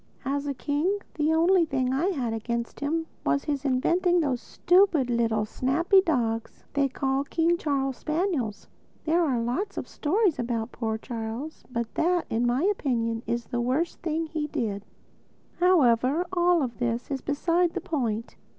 As a king, the only thing I had against him was his inventing those stupid, little, snappy dogs they call King Charles Spaniels. There are lots of stories told about poor Charles; but that, in my opinion, is the worst thing he did. However, all this is beside the point.